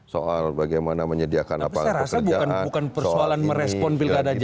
soal bagaimana menyediakan apa pekerjaan soal ini